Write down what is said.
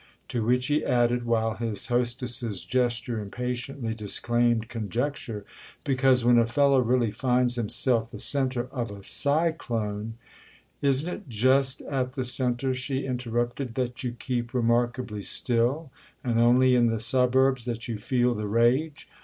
To which he added while his hostess's gesture impatiently disclaimed conjecture: "Because when a fellow really finds himself the centre of a cyclone——!" "Isn't it just at the centre," she interrupted, "that you keep remarkably still, and only in the suburbs that you feel the rage?